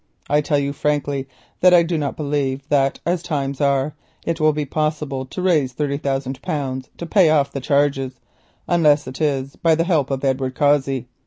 I tell you frankly that I do not believe that as times are it will be possible to raise thirty thousand pounds to pay off the charges unless it is by the help of Edward Cossey.